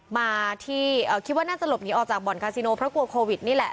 มาที่คิดว่าน่าจะหลบหนีออกจากบ่อนคาซิโนเพราะกลัวโควิดนี่แหละ